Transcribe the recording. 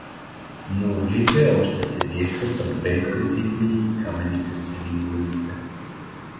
Но орлите още се виеха пред белите сипеи и каменните стени на урвите.